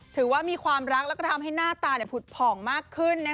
ถือว่ามีความรักแล้วก็ทำให้หน้าตาผุดผ่องมากขึ้น